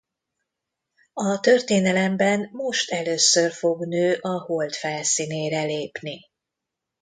A történelemben most először fog nő a Hold felszínére lépni.